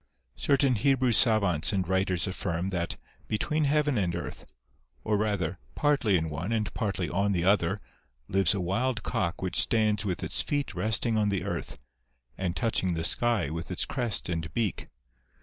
Certain Hebrew savants and writers affirm, that be tween heaven and earth, or rather, partly in one and partly on the other, lives a wild cock which stands with its feet resting on the earth, and touching the sky with its crest and beak.